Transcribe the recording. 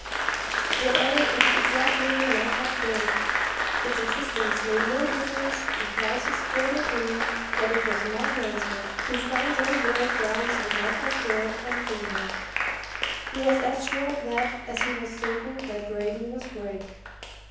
Whatever its exact meaning might have been, its existence made no difference to Bryce's firm opinion that it was Mark Ransford who flung John Brake down St. Wrytha's Stair and killed him. He was as sure of that as he was certain that Braden was Brake.